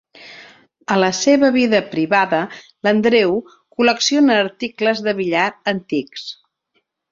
A la seva vida privada, l'Andreu col·lecciona articles de billar antics.